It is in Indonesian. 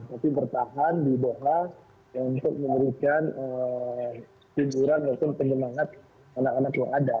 tapi bertahan di bawah untuk memberikan tiduran dan penyelenggaraan anak anak yang ada